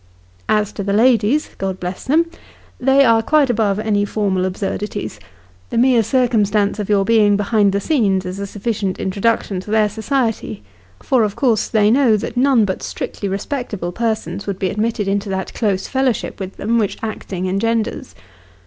As to the ladies (God bless them), they are quite above any formal absurdities ; the mere circumstance of your being behind the scenes is a sufficient introduction to their society for of course they know that none but strictly respectable persons would be admitted into that close fellowship with them, which acting engenders.